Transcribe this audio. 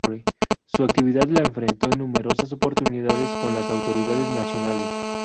Su actividad la enfrentó en numerosas oportunidades con las autoridades nacionales.